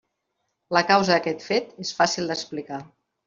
La causa d'aquest fet és fàcil d'explicar.